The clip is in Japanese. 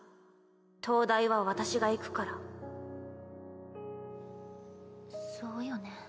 東大は私が行くからそうよね。